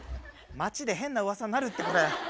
町で変なうわさになるってこれ。